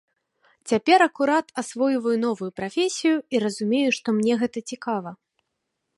Цяпер акурат асвойваю новую прафесію і разумею, што мне гэта цікава.